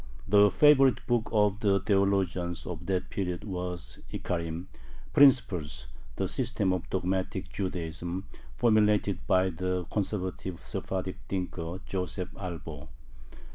The favorite book of the theologians of that period was Ikkarim ("Principles"), the system of dogmatic Judaism formulated by the conservative Sephardic thinker Joseph Albo.